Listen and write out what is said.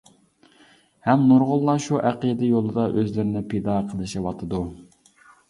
ھەم نۇرغۇنلار شۇ ئەقىدە يولىدا ئۆزلىرىنى پىدا قىلىشىۋاتىدۇ.